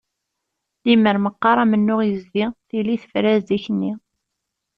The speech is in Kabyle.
Limmer meqqar amennuɣ yezdi tili tefra zik-nni.